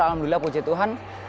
alhamdulillah puji tuhan